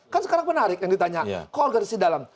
kan sekarang menarik yang ditanya ke organisasi dalam